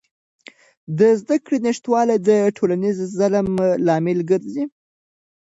د زدهکړې نشتوالی د ټولنیز ظلم لامل ګرځي.